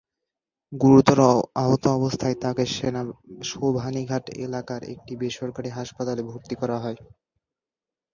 গুরুতর আহত অবস্থায় তাঁকে সোবহানীঘাট এলাকার একটি বেসরকারি হাসপাতালে ভর্তি করা হয়।